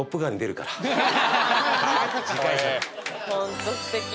ホントすてき！